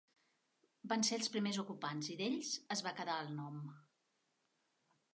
Van ser els primers ocupants i d'ells es va quedar el nom.